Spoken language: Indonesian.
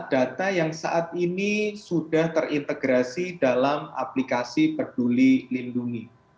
data yang saat ini sudah terintegrasi dalam aplikasi peduli lindungi